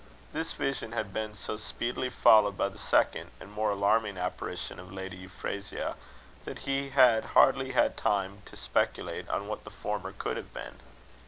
This vision had been so speedily followed by the second and more alarming apparition of Lady Euphrasia, that he had hardly had time to speculate on what the former could have been.